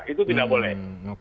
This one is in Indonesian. itu tidak boleh